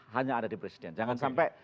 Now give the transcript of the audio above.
hanya ada di presiden jangan sampai